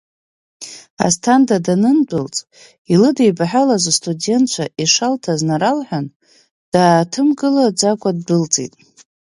Асҭанда данындәылҵ, илыдибаҳәалаз астудентцәа ишалҭаз наралҳәан, дааҭымгылаӡакәа ддәылҵит.